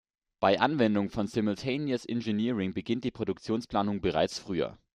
Bei Anwendung von Simultaneous Engineering beginnt die Produktionsplanung bereits früher.